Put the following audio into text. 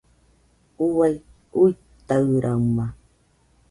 Uai uitaɨrama